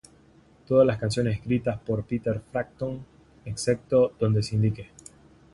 Todas las canciones escritas por Peter Frampton; excepto donde se indique.